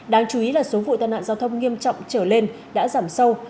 đáng chú ý là số vụ tai nạn giao thông nghiêm trọng trở lên đã giảm sâu